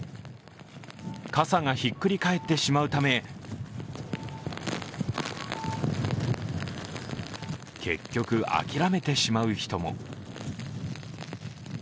傘がひっくり返ってしまうため結局、諦めてしまう人も。